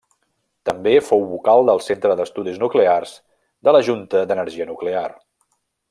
També fou vocal del Centre d'Estudis Nuclears de la Junta d'Energia Nuclear.